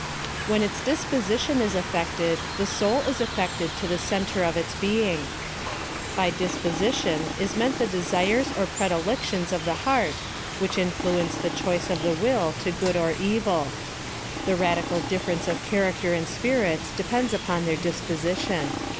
When its dispositon is affected, the soul is affec ted to the centre of its being. By disposition, is meant the desires or predilections of the heart, which influence the choice of the will to good or evil. The radical difference of character in spirits depends upon their disposition.